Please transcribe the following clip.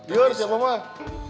jelas ya mama